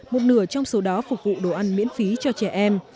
một nửa trong số đó phục vụ đồ ăn miễn phí cho trẻ em